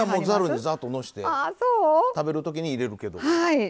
ざるに、ざっとのせて食べるときに入れるけど。